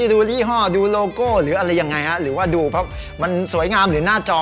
ดูยี่ห้อดูโลโก้หรืออะไรยังไงฮะหรือว่าดูเพราะมันสวยงามหรือหน้าจอ